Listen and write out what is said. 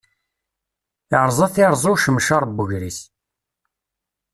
Iṛẓa tiṛẓi ucemcaṛ n ugris.